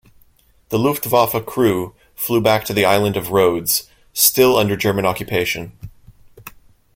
The Luftwaffe crew flew back to the island of Rhodes, still under German occupation.